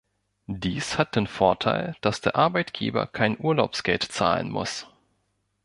Dies hat den Vorteil, dass der Arbeitgeber kein Urlaubsgeld zahlen muss.